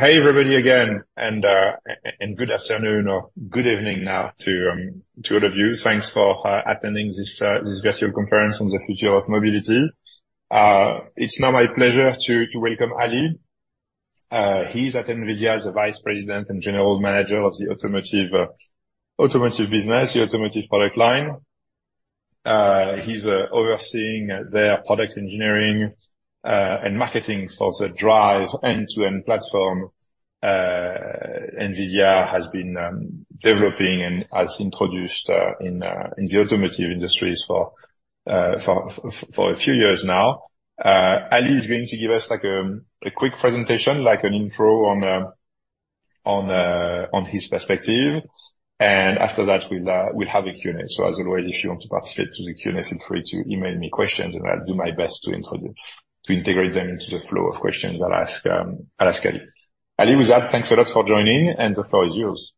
Hey, everybody, again. Good afternoon or good evening now to all of you. Thanks for attending this virtual conference on the future of mobility. It's now my pleasure to welcome Ali. He's at NVIDIA as the Vice President and General Manager of the Automotive Business, the Automotive product line. He's overseeing their product engineering, and marketing for the DRIVE end-to-end platform. NVIDIA has been developing and has introduced, in the automotive industries for a few years now. Ali is going to give us, like, a quick presentation, like an intro on, on his perspective, and after that, we'll have a Q&A. As always, if you want to participate in the Q&A, feel free to email me questions, and I'll do my best to integrate them into the flow of questions I'll ask Ali. Ali, with that, thanks a lot for joining in, and the floor is yours.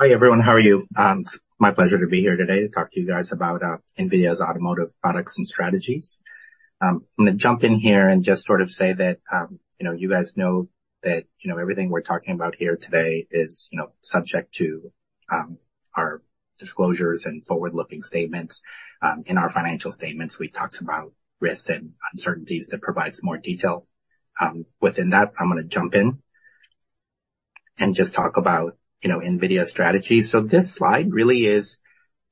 Hi, everyone. How are you? It's my pleasure to be here today to talk to you guys about NVIDIA's automotive products and strategies. I'm gonna jump in here and just sort of say that, you know, you guys know that, you know, everything we're talking about here today is, you know, subject to our disclosures and forward-looking statements. In our financial statements, we talked about risks and uncertainties that provides more detail. Within that, I'm gonna jump in and just talk about, you know, NVIDIA's strategy. This slide really is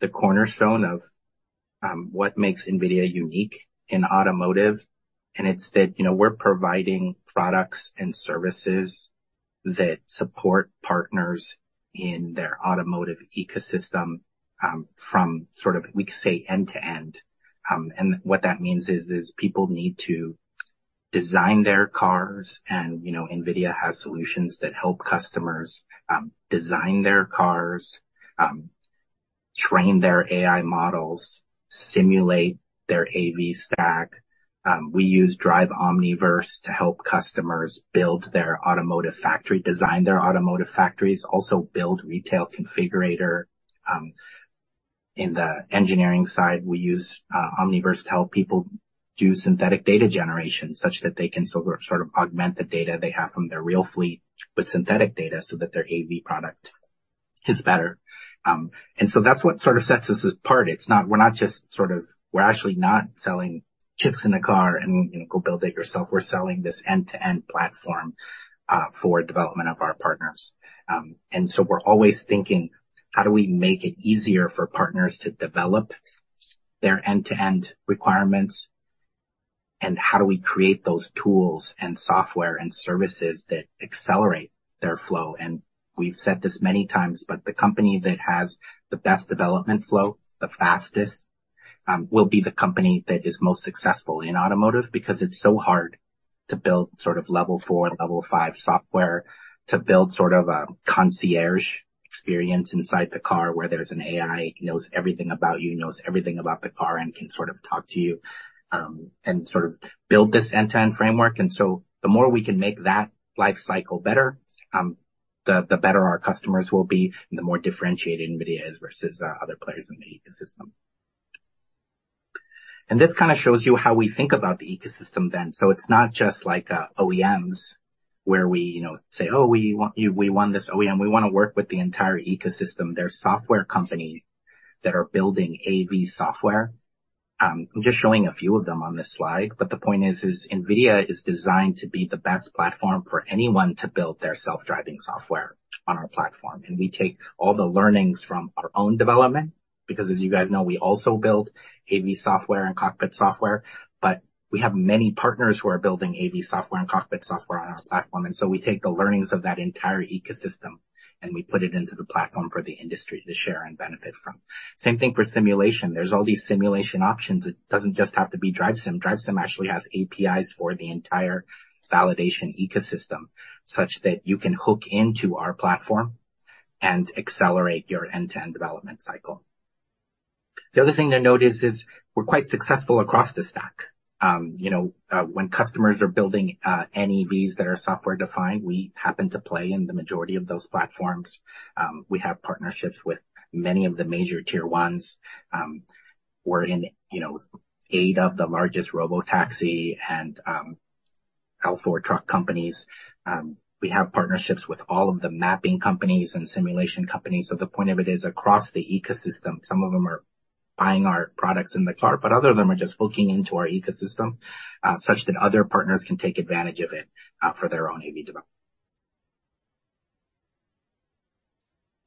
the cornerstone of what makes NVIDIA unique in automotive, and it's that, you know, we're providing products and services that support partners in their automotive ecosystem, from sort of, we could say, end-to-end. What that means is people need to design their cars, and, you know, NVIDIA has solutions that help customers design their cars, train their AI models, simulate their AV stack. We use DRIVE Omniverse to help customers build their automotive factory, design their automotive factories, also build retail configurator. In the engineering side, we use Omniverse to help people do synthetic data generation such that they can sort of augment the data they have from their real fleet with synthetic data so that their AV product is better. That's what sort of sets us apart. We're not just sort of... We're actually not selling chips in a car and, you know, go build it yourself. We're selling this end-to-end platform for development of our partners. We're always thinking, how do we make it easier for partners to develop their end-to-end requirements? How do we create those tools and software and services that accelerate their flow? We've said this many times, but the company that has the best development flow, the fastest, will be the company that is most successful in automotive because it's so hard to build sort of Level 4, Level 5 software, to build sort of a concierge experience inside the car, where there's an AI, knows everything about you, knows everything about the car, and can sort of talk to you, and sort of build this end-to-end framework. The more we can make that life cycle better, the better our customers will be and the more differentiated NVIDIA is versus other players in the ecosystem. This kind of shows you how we think about the ecosystem then. It's not just like OEMs, where we, you know, say, "Oh, we want you, we want this OEM." We want to work with the entire ecosystem. There are software companies that are building AV software. I'm just showing a few of them on this slide, but the point is, NVIDIA is designed to be the best platform for anyone to build their self-driving software on our platform. We take all the learnings from our own development, because as you guys know, we also build AV software and cockpit software, but we have many partners who are building AV software and cockpit software on our platform. We take the learnings of that entire ecosystem, and we put it into the platform for the industry to share and benefit from. Same thing for simulation. There's all these simulation options. It doesn't just have to be DRIVE Sim. DRIVE Sim actually has APIs for the entire validation ecosystem, such that you can hook into our platform and accelerate your end-to-end development cycle. The other thing to note is, we're quite successful across the stack. You know, when customers are building NEVs that are software-defined, we happen to play in the majority of those platforms. We have partnerships with many of the major Tier 1s. We're in, you know, eight of the largest robotaxi and L4 truck companies. We have partnerships with all of the mapping companies and simulation companies. The point of it is across the ecosystem, some of them are buying our products in the car, but other of them are just hooking into our ecosystem, such that other partners can take advantage of it for their own AV development.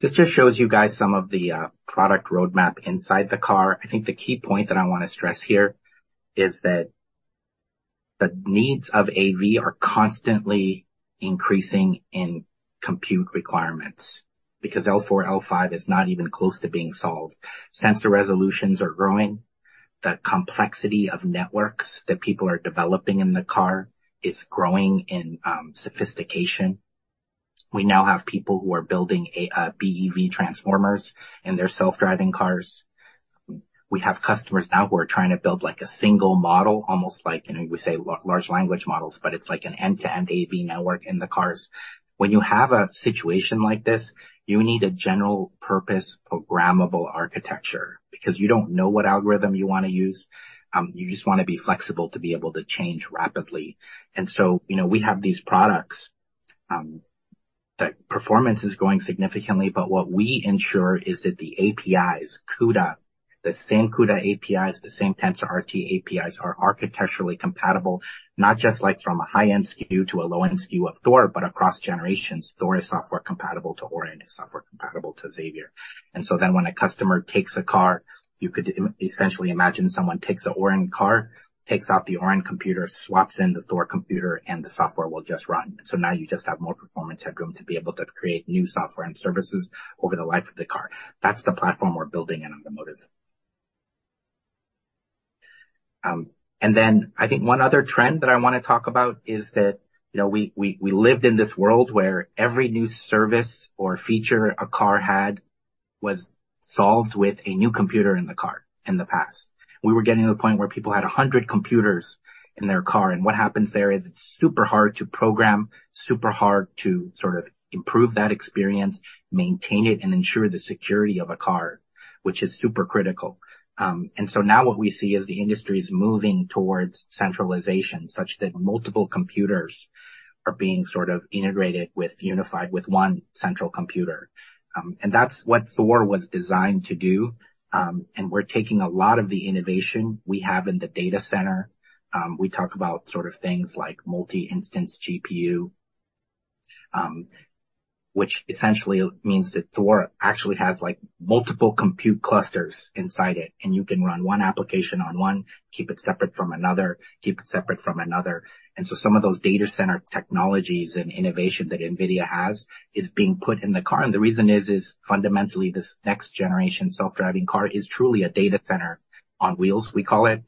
This just shows you guys some of the product roadmap inside the car. I think the key point that I want to stress here is that the needs of AV are constantly increasing in compute requirements because L4, L5 is not even close to being solved. Sensor resolutions are growing. The complexity of networks that people are developing in the car is growing in sophistication. We now have people who are building BEV transformers in their self-driving cars. We have customers now who are trying to build, like, a single model, almost like, you know, we say large language models, but it's like an end-to-end AV network in the cars. When you have a situation like this, you need a general-purpose programmable architecture because you don't know what algorithm you want to use. You just want to be flexible to be able to change rapidly. You know, we have these products, the performance is growing significantly, but what we ensure is that the APIs, CUDA, the same CUDA APIs, the same TensorRT APIs, are architecturally compatible, not just like from a high-end SKU to a low-end SKU of Thor, but across generations. Thor is software-compatible to Orin, is software-compatible to Xavier. When a customer takes a car, you could essentially imagine someone takes an Orin car, takes out the Orin computer, swaps in the Thor computer, and the software will just run. Now you just have more performance headroom to be able to create new software and services over the life of the car. That's the platform we're building in automotive. I think one other trend that I want to talk about is that, you know, we lived in this world where every new service or feature a car had was solved with a new computer in the car in the past. We were getting to the point where people had 100 computers in their car. What happens there is it's super hard to program, super hard to sort of improve that experience, maintain it, and ensure the security of a car, which is super critical. Now what we see is the industry is moving towards centralization, such that multiple computers are being sort of integrated with, unified with one central computer. That's what Thor was designed to do. We're taking a lot of the innovation we have in the data center. We talk about sort of things like Multi-Instance GPU, which essentially means that Thor actually has, like, multiple compute clusters inside it. You can run one application on one, keep it separate from another, keep it separate from another. Some of those data center technologies and innovation that NVIDIA has is being put in the car. The reason is fundamentally, this next generation self-driving car is truly a data center on wheels, we call it.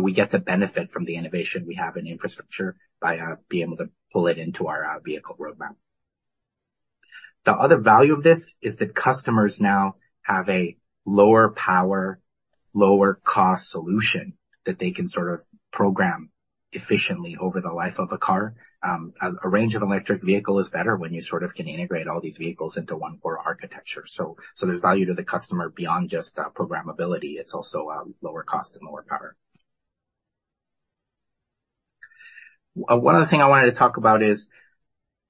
We get to benefit from the innovation we have in infrastructure by being able to pull it into our vehicle roadmap. The other value of this is that customers now have a lower power, lower-cost solution that they can sort of program efficiently over the life of a car. A range of electric vehicle is better when you sort of can integrate all these vehicles into one core architecture. There's value to the customer beyond just programmability. It's also lower cost and lower power. One other thing I wanted to talk about is,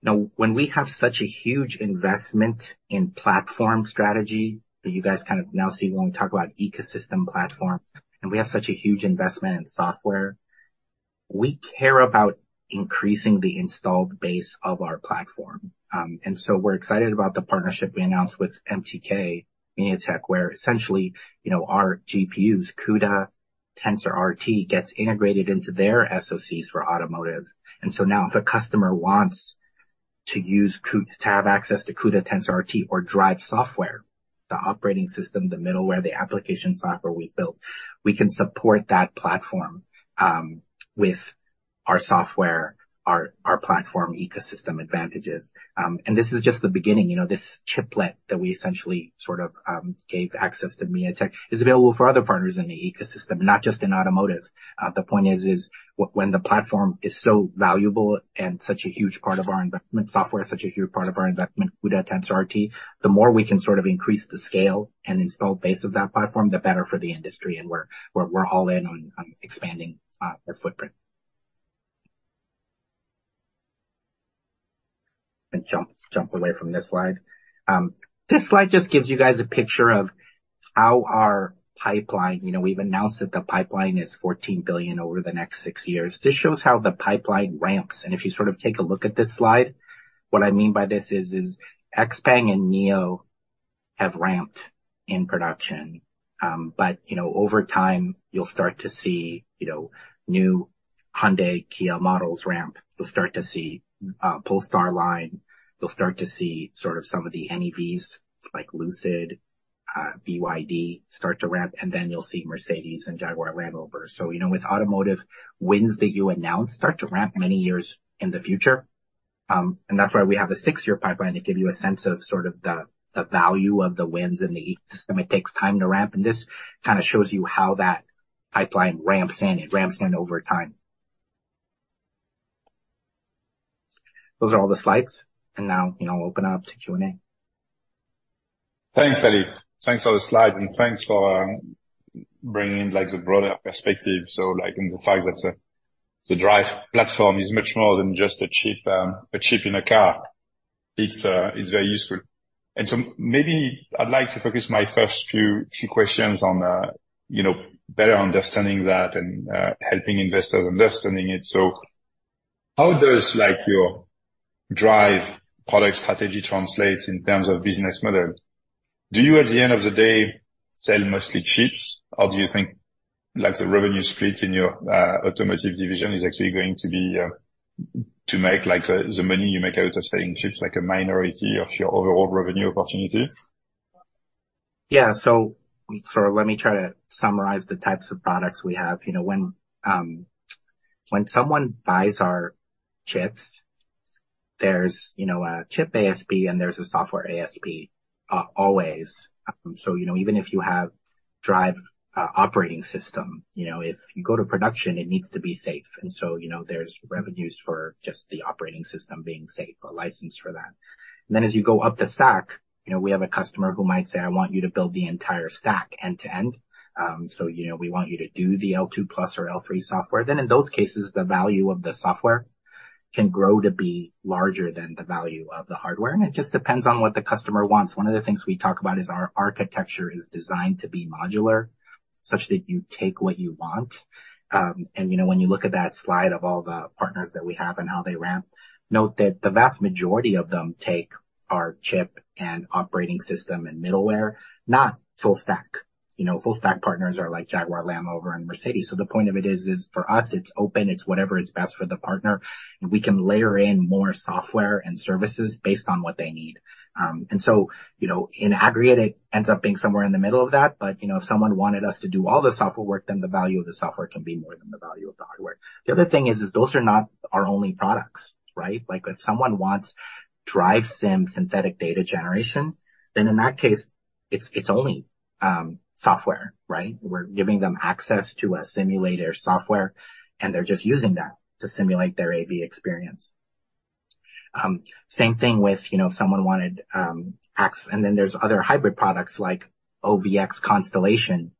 you know, when we have such a huge investment in platform strategy, that you guys kind of now see when we talk about ecosystem platform, and we have such a huge investment in software, we care about increasing the installed base of our platform. We're excited about the partnership we announced with MTK, MediaTek, where essentially, you know, our GPUs, CUDA, TensorRT, gets integrated into their SoCs for automotive. Now if a customer wants to have access to CUDA TensorRT or DRIVE software, the operating system, the middleware, the application software we've built, we can support that platform with our software, our platform ecosystem advantages. This is just the beginning. You know, this chiplet that we essentially sort of gave access to MediaTek is available for other partners in the ecosystem, not just in automotive. The point is, when the platform is so valuable and such a huge part of our investment, software is such a huge part of our investment, CUDA TensorRT, the more we can sort of increase the scale and install base of that platform, the better for the industry, and we're all in on expanding our footprint. Jump away from this slide. This slide just gives you guys a picture of how our pipeline... You know, we've announced that the pipeline is $14 billion over the next six years. This shows how the pipeline ramps. If you sort of take a look at this slide, what I mean by this is XPENG and NIO have ramped in production. Over time, you'll start to see, you know, new Hyundai, Kia models ramp. You'll start to see Polestar line. You'll start to see sort of some of the NEVs, like Lucid, BYD, start to ramp, and then you'll see Mercedes and Jaguar Land Rover. You know, with automotive wins that you announce start to ramp many years in the future. That's why we have a six-year pipeline to give you a sense of sort of the value of the wins in the ecosystem. It takes time to ramp, this kind of shows you how that pipeline ramps in. It ramps in over time. Those are all the slides, now, you know, I'll open up to Q&A. Thanks, Ali. Thanks for the slide, and thanks for bringing in, like, the broader perspective. Like, in the fact that the NVIDIA DRIVE platform is much more than just a chip, a chip in a car. It's, it's very useful. Maybe I'd like to focus my first few questions on, you know, better understanding that and helping investors understanding it. How does, like, your NVIDIA DRIVE product strategy translate in terms of business model? Do you, at the end of the day, sell mostly chips, or do you think, like, the revenue split in your automotive division is actually going to be to make, like, the money you make out of selling chips, like, a minority of your overall revenue opportunity? Let me try to summarize the types of products we have. You know, when someone buys our chips, there's, you know, a chip ASP, and there's a software ASP, always. Even if you have NVIDIA DRIVE operating system. You know, if you go to production, it needs to be safe. There's revenues for just the operating system being safe, a license for that. As you go up the stack, you know, we have a customer who might say: I want you to build the entire stack end-to-end. We want you to do the L2+ or L3 software. In those cases, the value of the software can grow to be larger than the value of the hardware, and it just depends on what the customer wants. One of the things we talk about is our architecture is designed to be modular, such that you take what you want. You know, when you look at that slide of all the partners that we have and how they ramp, note that the vast majority of them take our chip and operating system and middleware, not full stack. You know, full stack partners are like Jaguar Land Rover and Mercedes. The point of it is for us, it's open, it's whatever is best for the partner, and we can layer in more software and services based on what they need. You know, in aggregate, it ends up being somewhere in the middle of that. You know, if someone wanted us to do all the software work, then the value of the software can be more than the value of the hardware. The other thing is those are not our only products, right? Like, if someone wants DRIVE Sim synthetic data generation, then in that case, it's only software, right? We're giving them access to a simulator software, and they're just using that to simulate their AV experience. Same thing with, you know, if someone wanted. There's other hybrid products like OVX, Constellation,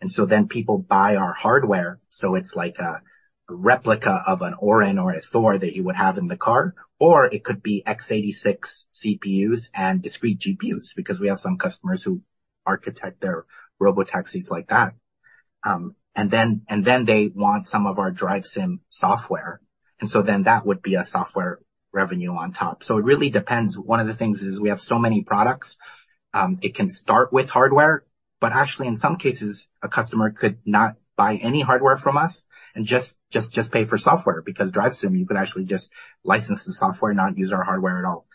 and so then people buy our hardware, so it's like a replica of an Orin or a Thor that you would have in the car, or it could be x86 CPUs and discrete GPUs, because we have some customers who architect their robotaxis like that. They want some of our DRIVE Sim software, and so then that would be a software revenue on top. It really depends. One of the things is we have so many products, it can start with hardware, but actually, in some cases, a customer could not buy any hardware from us and just pay for software, because DRIVE Sim, you could actually just license the software, not use our hardware at all.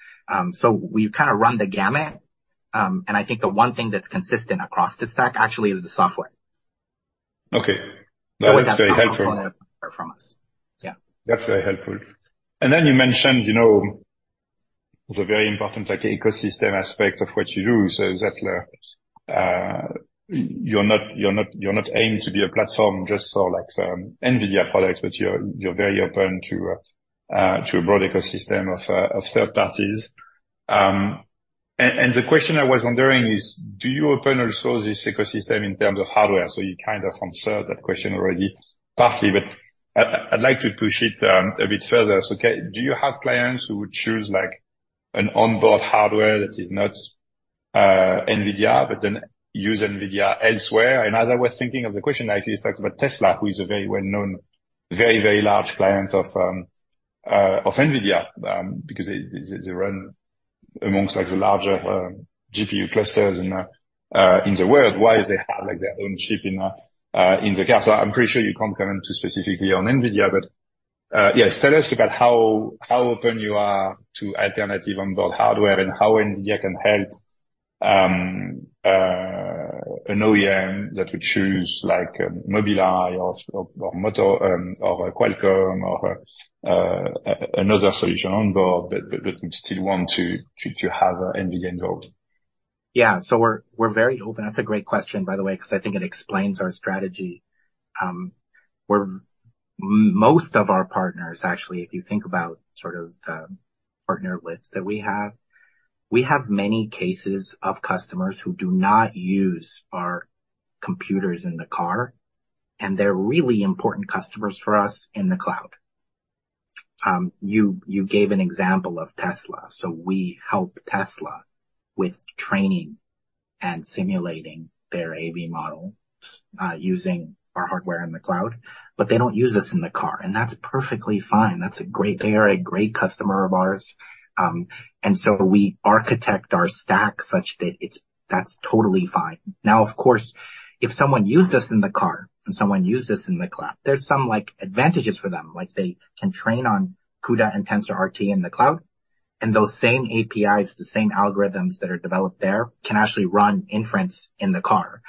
We kind of run the gamut, and I think the one thing that's consistent across the stack actually is the software. Okay, that's very helpful. From us. Yeah. That's very helpful. Then you mentioned, you know, the very important, like, ecosystem aspect of what you do. Is that, you're not aimed to be a platform just for, like, NVIDIA products, but you're very open to a broad ecosystem of third parties. The question I was wondering is, do you open also this ecosystem in terms of hardware? You kind of answered that question already, partly, but I'd like to push it, a bit further. Okay, do you have clients who would choose, like, an onboard hardware that is not, NVIDIA, but then use NVIDIA elsewhere? As I was thinking of the question, I actually thought about Tesla, who is a very well-known, very large client of NVIDIA, because they run amongst, like, the larger GPU clusters in the world. Why is they have, like, their own chip in the car? I'm pretty sure you can't comment too specifically on NVIDIA, but, yeah, tell us about how open you are to alternative onboard hardware and how NVIDIA can help an OEM that would choose, like, Mobileye or Moto, or Qualcomm or another solution on board, but we still want to have a NVIDIA involved. Yeah. We're very open. That's a great question, by the way, because I think it explains our strategy. Most of our partners, actually, if you think about sort of the partner list that we have, we have many cases of customers who do not use our computers in the car, and they're really important customers for us in the cloud. You gave an example of Tesla, we help Tesla with training and simulating their AV model, using our hardware in the cloud, but they don't use us in the car, and that's perfectly fine. They are a great customer of ours. We architect our stack such that that's totally fine. Now, of course, if someone used us in the car and someone used us in the cloud, there's some like, advantages for them. Like they can train on CUDA and TensorRT in the cloud, and those same APIs, the same algorithms that are developed there, can actually run inference in the car.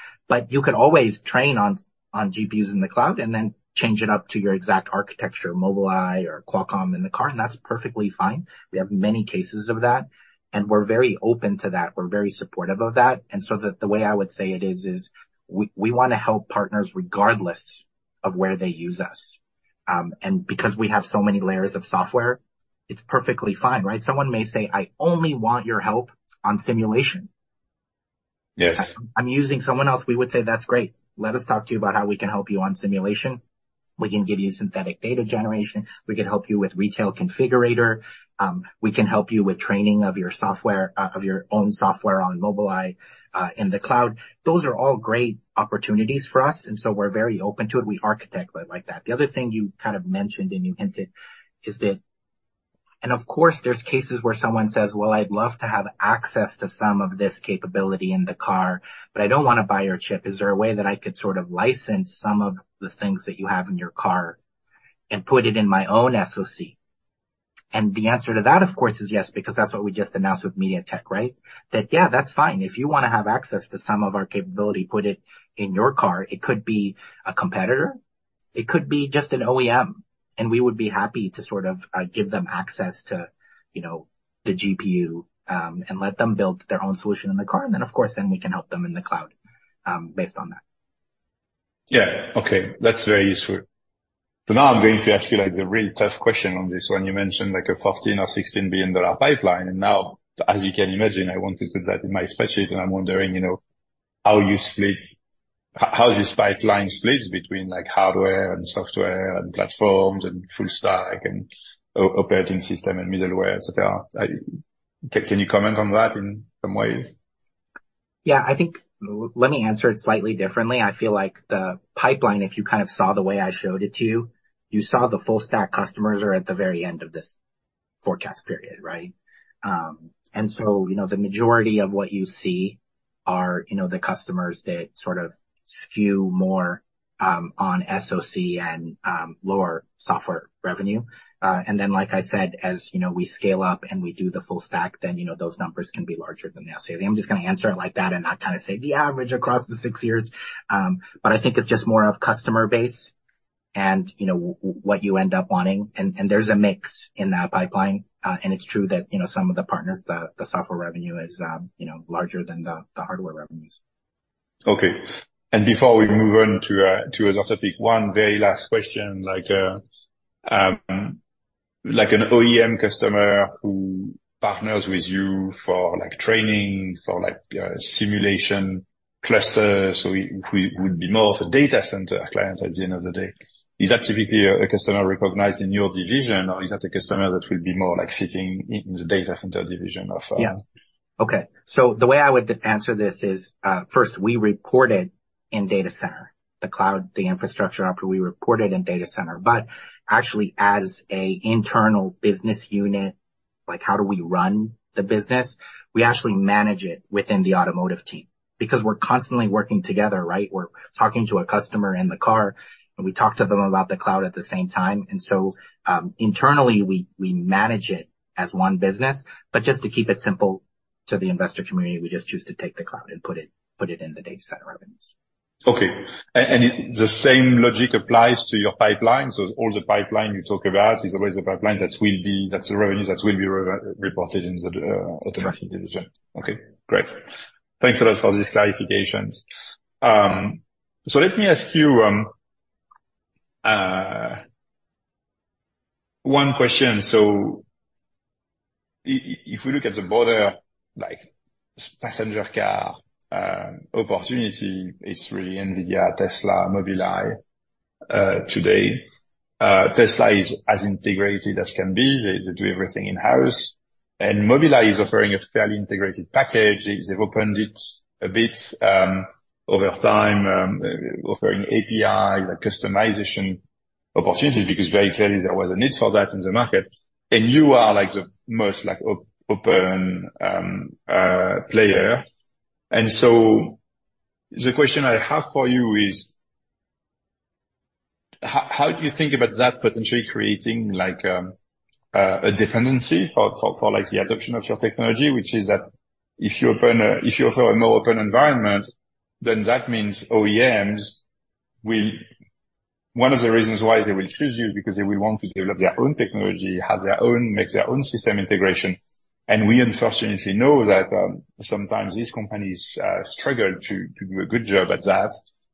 You could always train on GPUs in the cloud and then change it up to your exact architecture, Mobileye or Qualcomm in the car, and that's perfectly fine. We have many cases of that, and we're very open to that. We're very supportive of that. The way I would say it is, we wanna help partners regardless of where they use us. Because we have so many layers of software, it's perfectly fine, right? Someone may say, "I only want your help on simulation. Yes. I'm using someone else." We would say: "That's great. Let us talk to you about how we can help you on simulation. We can give you synthetic data generation. We can help you with retail configurator. We can help you with training of your software, of your own software on Mobileye, in the cloud." Those are all great opportunities for us, and so we're very open to it. We architect it like that. The other thing you kind of mentioned and you hinted is that. Of course, there's cases where someone says: "Well, I'd love to have access to some of this capability in the car, but I don't want to buy your chip. Is there a way that I could sort of license some of the things that you have in your car and put it in my own SoC? The answer to that, of course, is yes, because that's what we just announced with MediaTek, right? Yeah, that's fine. If you want to have access to some of our capability, put it in your car, it could be a competitor. It could be just an OEM, and we would be happy to sort of give them access to, you know, the GPU, and let them build their own solution in the car. Then, of course, then we can help them in the cloud based on that. Yeah. Okay, that's very useful. Now I'm going to ask you, like, the really tough question on this one. You mentioned, like, a $14 billion-$16 billion pipeline, and now, as you can imagine, I want to put that in my spreadsheet, and I'm wondering, you know, how this pipeline splits between, like, hardware and software and platforms and full stack and operating system and middleware, et cetera. Can you comment on that in some ways? Let me answer it slightly differently. I feel like the pipeline, if you kind of saw the way I showed it to you saw the full stack customers are at the very end of this forecast period, right? You know, the majority of what you see are, you know, the customers that sort of skew more on SoC and lower software revenue. Like I said, as you know, we scale up and we do the full stack, those numbers can be larger than they are. I'm just gonna answer it like that and not kind of say the average across the six years. I think it's just more of customer base and, you know, what you end up wanting. There's a mix in that pipeline. It's true that, you know, some of the partners, the software revenue is, you know, larger than the hardware revenues. Okay, before we move on to another topic, one very last question. Like an OEM customer who partners with you for, like, training, for like, simulation clusters, we would be more of a data center client at the end of the day. Is that typically a customer recognized in your division, or is that a customer that will be more like sitting in the data center division of? Yeah. The way I would answer this is, first, we report it in data center. The cloud, the infrastructure, we report it in data center, but actually as an internal business unit, like, how do we run the business? We actually manage it within the automotive team because we're constantly working together, right? We're talking to a customer in the car, and we talk to them about the cloud at the same time. Internally, we manage it as one business, but just to keep it simple to the investor community, we just choose to take the cloud and put it in the data center revenues. Okay, the same logic applies to your pipeline. All the pipeline you talk about is always a pipeline that will be. That's the revenues that will be re-reported in the automotive division. Okay, great. Thanks a lot for these clarifications. Let me ask you one question. If we look at the broader, like, passenger car opportunity, it's really NVIDIA, Tesla, Mobileye today. Tesla is as integrated as can be. They do everything in-house, and Mobileye is offering a fairly integrated package. They've opened it a bit over time, offering APIs and customization opportunities, because very clearly there was a need for that in the market. You are, like, the most, like, open player. The question I have for you is: How do you think about that potentially creating, like, a dependency for, like, the adoption of your technology, which is that if you offer a more open environment, then that means OEMs. One of the reasons why they will choose you is because they will want to develop their own technology, have their own, make their own system integration. We unfortunately know that sometimes these companies struggle to do a good job at that,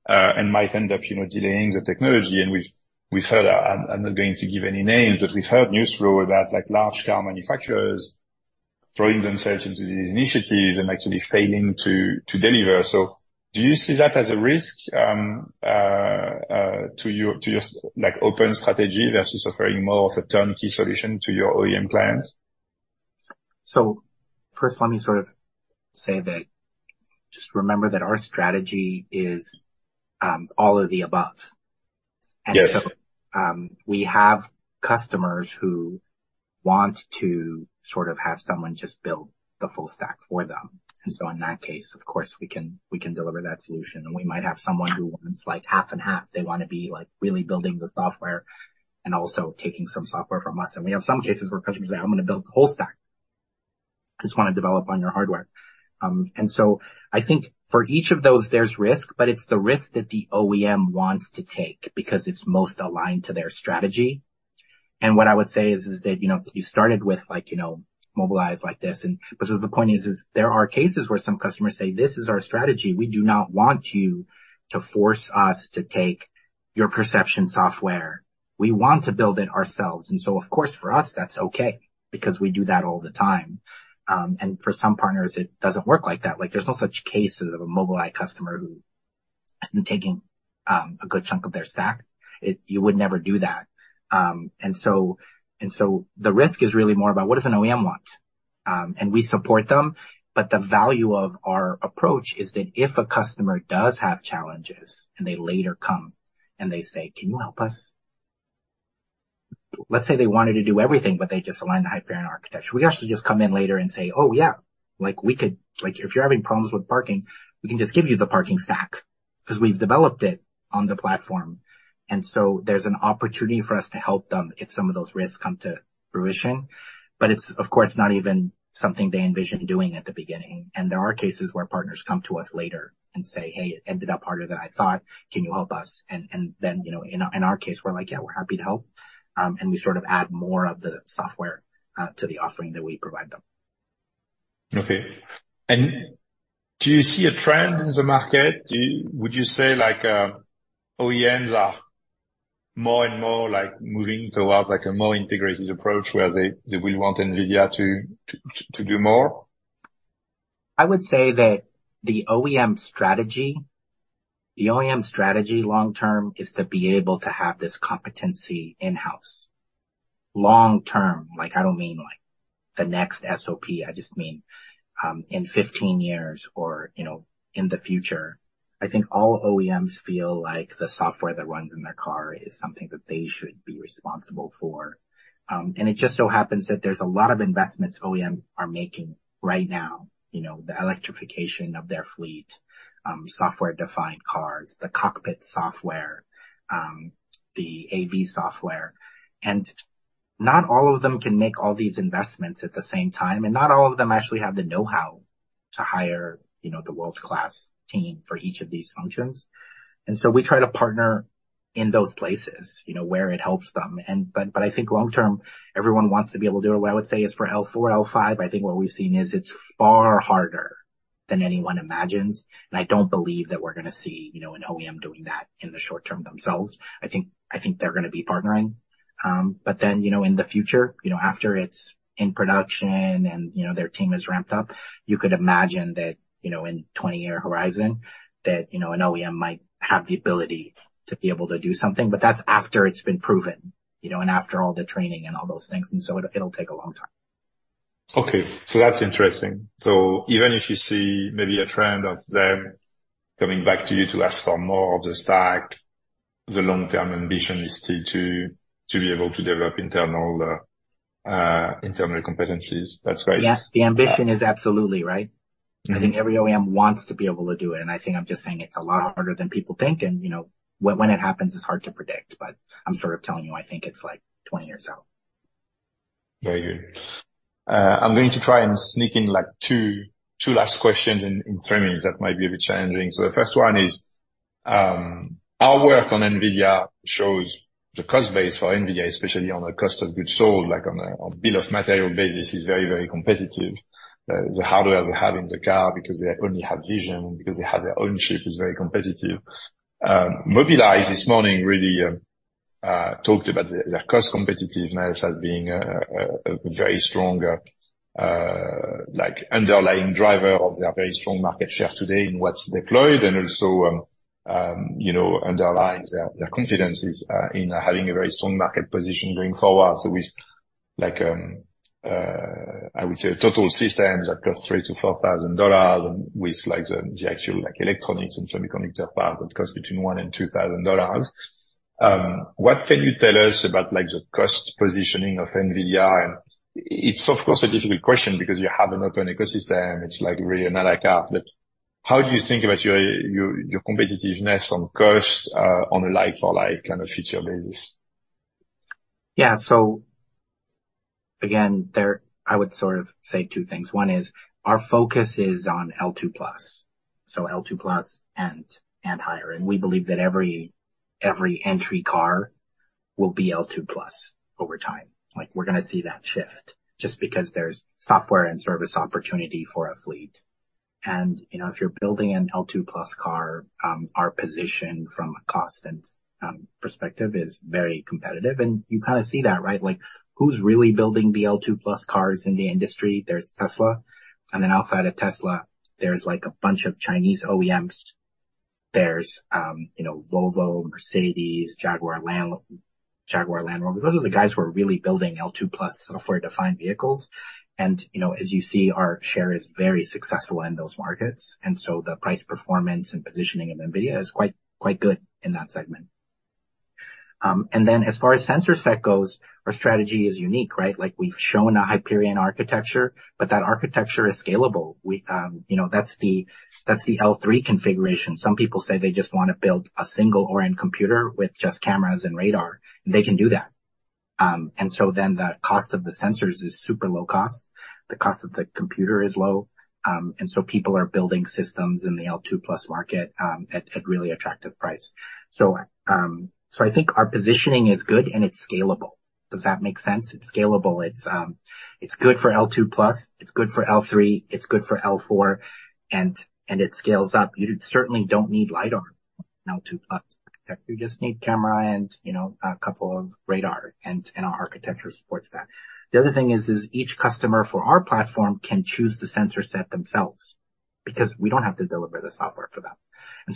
and might end up, you know, delaying the technology. We've heard that. I'm not going to give any names, but we've heard news flow about, like, large car manufacturers throwing themselves into these initiatives and actually failing to deliver. Do you see that as a risk, to your, to your, like, open strategy versus offering more of a turnkey solution to your OEM clients? First, let me sort of say that just remember that our strategy is, all of the above. Yes. We have customers who want to sort of have someone just build the full stack for them. In that case, of course, we can, we can deliver that solution. We might have someone who wants, like, half and half. They want to be, like, really building the software and also taking some software from us. We have some cases where customers say, "I'm going to build the whole stack. Just want to develop on your hardware." I think for each of those, there's risk, but it's the risk that the OEM wants to take because it's most aligned to their strategy. What I would say is that, you know, you started with like, you know, Mobileye is like this, and... The point is there are cases where some customers say: This is our strategy. We do not want you to force us to take your perception software. We want to build it ourselves. Of course, for us, that's okay because we do that all the time. For some partners, it doesn't work like that. Like, there's no such case of a Mobileye customer who isn't taking a good chunk of their stack. You would never do that. The risk is really more about what does an OEM want? We support them, but the value of our approach is that if a customer does have challenges, and they later come, and they say, "Can you help us?" Let's say they wanted to do everything, but they just aligned the hyper architecture. We actually just come in later and say, "Oh, yeah, like, we could... Like, if you're having problems with parking, we can just give you the parking stack 'cause we've developed it on the platform. There's an opportunity for us to help them if some of those risks come to fruition. It's, of course, not even something they envisioned doing at the beginning. There are cases where partners come to us later and say, "Hey, it ended up harder than I thought. Can you help us?" Then, you know, in our, in our case, we're like: Yeah, we're happy to help. We sort of add more of the software to the offering that we provide them. Okay. Do you see a trend in the market? Would you say, like, OEMs are more and more, like, moving towards, like, a more integrated approach where they will want NVIDIA to do more? I would say that the OEM strategy, the OEM strategy long term, is to be able to have this competency in-house. Long term, like, I don't mean, like, the next SOP. I just mean, in 15 years or, you know, in the future. I think all OEMs feel like the software that runs in their car is something that they should be responsible for. It just so happens that there's a lot of investments OEMs are making right now, you know, the electrification of their fleet, software-defined cars, the cockpit software, the AV software. Not all of them can make all these investments at the same time, and not all of them actually have the know-how to hire, you know, the world-class team for each of these functions. We try to partner in those places, you know, where it helps them. And... I think long term, everyone wants to be able to do it. What I would say is for L4, L5, I think what we've seen is it's far harder than anyone imagines, and I don't believe that we're gonna see, you know, an OEM doing that in the short term themselves. I think they're gonna be partnering. Then, you know, in the future, you know, after it's in production and, you know, their team is ramped up, you could imagine that, you know, in 20-year horizon, that, you know, an OEM might have the ability to be able to do something, but that's after it's been proven, you know, and after all the training and all those things, so it'll take a long time. Okay, that's interesting. Even if you see maybe a trend of them coming back to you to ask for more of the stack, the long-term ambition is still to be able to develop internal competencies. That's right? Yeah, the ambition is absolutely right. Yeah. I think every OEM wants to be able to do it, and I think I'm just saying it's a lot harder than people think, and, you know, when it happens, it's hard to predict, but I'm sort of telling you, I think it's, like, 20 years out. Very good. I'm going to try and sneak in, like, two last questions in three minutes. That might be a bit challenging. The first one is, our work on NVIDIA shows the cost base for NVIDIA, especially on a cost of goods sold, like on a bill of material basis, is very, very competitive. The hardware they have in the car, because they only have Vision, because they have their own chip, is very competitive. Mobileye this morning really talked about their cost competitiveness as being a very strong, like, underlying driver of their very strong market share today in what's deployed, and also, you know, underlies their confidences in having a very strong market position going forward. With, like, I would say a total system that costs $3,000-$4,000 with, like, the actual, like, electronics and semiconductor parts that cost between $1,000 and $2,000. What can you tell us about, like, the cost positioning of NVIDIA? It's, of course, a difficult question because you have an open ecosystem. It's, like, really not like an app, but how do you think about your, your competitiveness on cost, on a like for like kind of feature basis? Again, there I would sort of say two things. One is, our focus is on L2+, so L2+ and higher. We believe that every entry car will be L2+ over time. Like, we're gonna see that shift just because there's software and service opportunity for a fleet. You know, if you're building an L2+ car, our position from a cost and perspective is very competitive, and you kind of see that, right? Like, who's really building the L2+ cars in the industry? There's Tesla, and then outside of Tesla, there's, like, a bunch of Chinese OEMs. There's, you know, Volvo, Mercedes, Jaguar Land Rover. Those are the guys who are really building L2+ software-defined vehicles. You know, as you see, our share is very successful in those markets, and so the price, performance, and positioning of NVIDIA is quite good in that segment. Then as far as sensor set goes, our strategy is unique, right? Like, we've shown a Hyperion architecture, but that architecture is scalable. We, you know, that's the L3 configuration. Some people say they just wanna build a single Orin computer with just cameras and radar, and they can do that. Then the cost of the sensors is super low cost, the cost of the computer is low, and so people are building systems in the L2+ market, at really attractive price. I think our positioning is good, and it's scalable. Does that make sense? It's scalable. It's good for L2+, it's good for L3, it's good for L4, and it scales up. You certainly don't need lidar on L2+, okay? You just need camera and, you know, a couple of radar, and our architecture supports that. The other thing is each customer for our platform can choose the sensor set themselves because we don't have to deliver the software for them.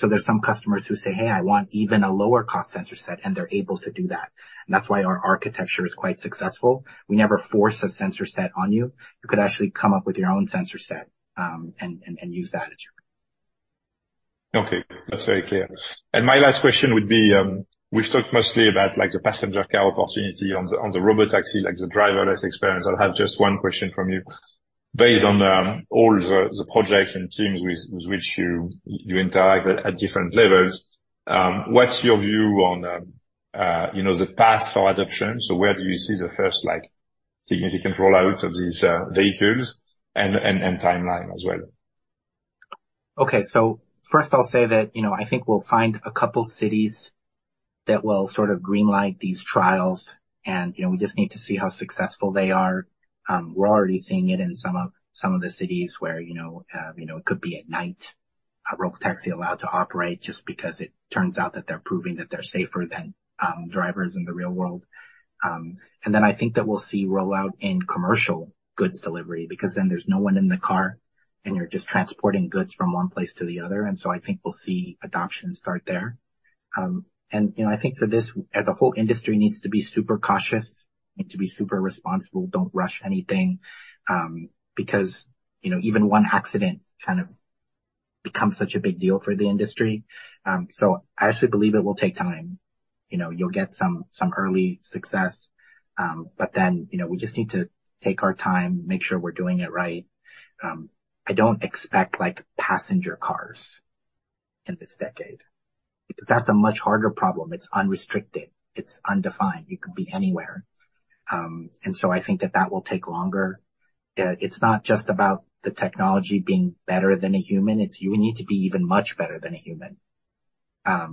There's some customers who say, "Hey, I want even a lower cost sensor set," and they're able to do that. That's why our architecture is quite successful. We never force a sensor set on you. You could actually come up with your own sensor set, and use that as your... Okay, that's very clear. My last question would be, we've talked mostly about, like, the passenger car opportunity. On the, on the robotaxi, like the driverless experience, I'll have just one question from you. Based on all the projects and teams with which you interact at different levels, what's your view on, you know, the path for adoption? Where do you see the first, like, significant rollout of these vehicles and timeline as well? First I'll say that, you know, I think we'll find a couple cities that will sort of green light these trials, and, you know, we just need to see how successful they are. We're already seeing it in some of the cities where, you know, you know, it could be at night, a rogue taxi allowed to operate just because it turns out that they're proving that they're safer than drivers in the real world. I think that we'll see rollout in commercial goods delivery, because then there's no one in the car, and you're just transporting goods from one place to the other. I think we'll see adoption start there. You know, I think that this, the whole industry needs to be super cautious, need to be super responsible. Don't rush anything, because, you know, even one accident kind of becomes such a big deal for the industry. I actually believe it will take time. You know, you'll get some early success, then, you know, we just need to take our time, make sure we're doing it right. I don't expect, like, passenger cars in this decade. That's a much harder problem. It's unrestricted, it's undefined. It could be anywhere. I think that that will take longer. It's not just about the technology being better than a human. It's you need to be even much better than a human.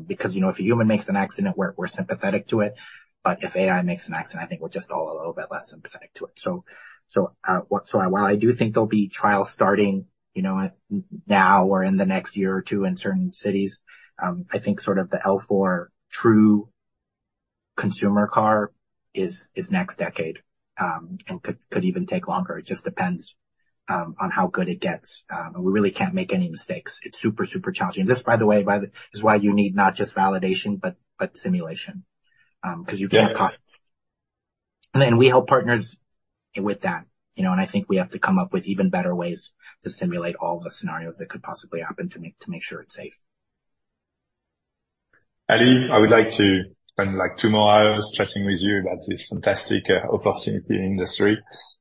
Because, you know, if a human makes an accident, we're sympathetic to it, but if AI makes an accident, I think we're just all a little bit less sympathetic to it. While I do think there'll be trials starting, you know, now or in the next year or two in certain cities, I think sort of the L4 true consumer car is next decade, and could even take longer. It just depends on how good it gets. We really can't make any mistakes. It's super challenging. This, by the way, is why you need not just validation, but simulation. Because then we help partners with that, you know, and I think we have to come up with even better ways to simulate all the scenarios that could possibly happen to make sure it's safe. Ali, I would like to spend, like, two more hours chatting with you about this fantastic opportunity in the industry.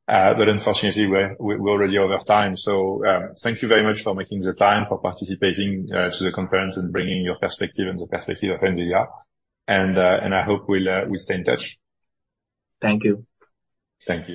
Unfortunately, we're already over time. Thank you very much for making the time, for participating to the conference and bringing your perspective and the perspective of NVIDIA. I hope we stay in touch. Thank you. Thank you.